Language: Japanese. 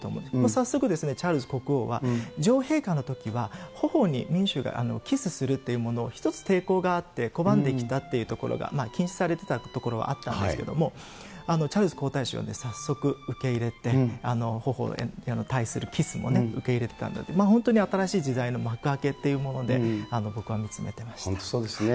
早速、チャールズ国王は、女王陛下のときはほほに民衆がキスするというものを、一つ抵抗があって、拒んできたというところが、禁止されてたところはあったんですけれども、チャールズ皇太子は早速受け入れて、ほほに対するキスもね、受け入れてたんだと、本当に新しい時代の幕開けというもので、本当そうですね。